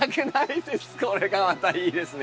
これがまたいいですね。